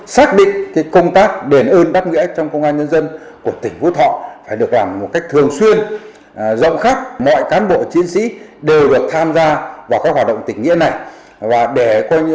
các phong trào đền ơn đáp nghĩa ấy đã phát huy sức mạnh tương thân tương ái trong mỗi cán bộ chiến sĩ trong lực lượng công an tỉnh